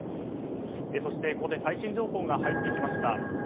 そして、ここで最新情報が入ってきました。